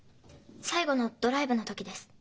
最後のドライブの時です。